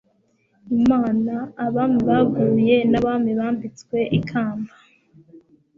imana, abami baguye n'abami bambitswe ikamba